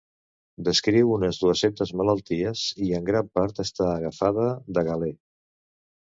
Descriu unes dues-centes malalties i en gran part està agafada de Galè.